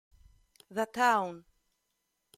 The Town